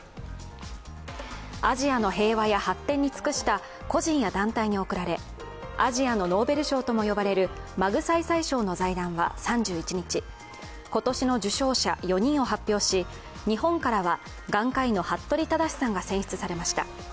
アジアの平和や発展に尽くした個人や団体に贈られ、アジアのノーベル賞とも呼ばれるマグサイサイ賞の財団は３１日、今年の受賞者４人を発表し日本からは眼科医の服部匡志さんが選出されました。